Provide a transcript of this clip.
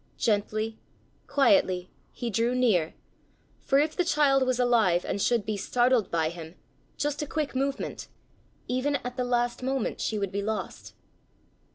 Gently, quietly, he drew near, for if the child was alive and should be startled by him—just a quick movement—even at the last moment she would be lost.